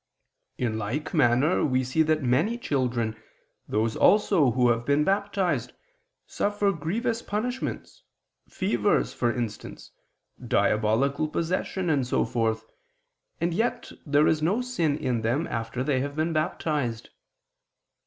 In like manner we see that many children, those also who have been baptized, suffer grievous punishments, fevers, for instance, diabolical possession, and so forth, and yet there is no sin in them after they have been baptized.